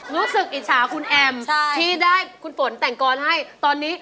รู้สึกอิจฉาคุณแอมที่ได้คุณฝนแต่งกรณ์ให้